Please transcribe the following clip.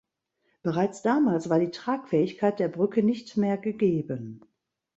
Bereits damals war die Tragfähigkeit der Brücke nicht mehr gegeben.